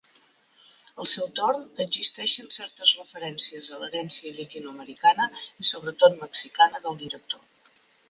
Al seu torn, existeixen certes referències a l'herència llatinoamericana i sobretot mexicana del director.